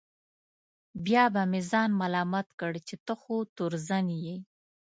بیا به مې ځان ملامت کړ چې ته خو تورزن یې.